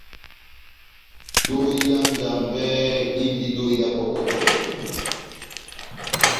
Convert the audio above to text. Dohi dá Njambɛ díndi dóhi dá pɔ́kwɛ-pɔkwɛ.